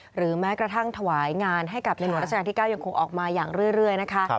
หรือแม้กระทั่งถวายงานให้กับในหลวงราชการที่๙ยังคงออกมาอย่างเรื่อยนะคะ